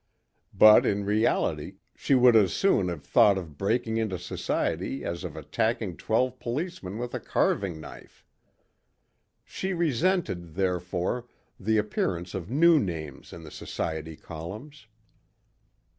But in reality she would as soon have thought of breaking into society as of attacking twelve policemen with a carving knife. She resented therefore the appearance of new names in the society columns.